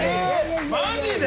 マジで？